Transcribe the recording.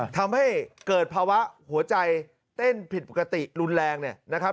ทำให้เกิดภาวะหัวใจเต้นผิดปกติรุนแรงเนี่ยนะครับ